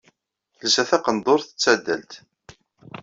Telsa taqendurt d tadalt.